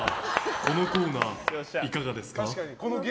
このコーナー、いかがですか？